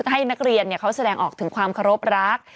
ให้นักเรียนเขาแสดงออกถึงความเคารพรัก